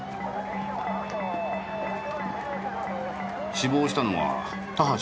死亡したのは田橋不二夫。